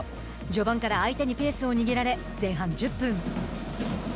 序盤から相手にペースを握られ前半１０分。